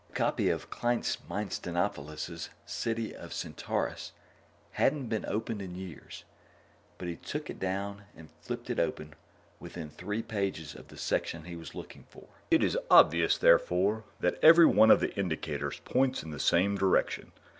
The copy of Kleistmeistenoppolous' "City of Centaurus" hadn't been opened in years, but he took it down and flipped it open to within three pages of the section he was looking for. "It is obvious, therefore, that every one of the indicators points in the same direction.